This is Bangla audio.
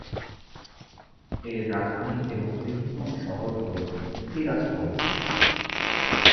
এর রাজধানী এবং বৃহত্তম শহর হলো তিরাসপোল।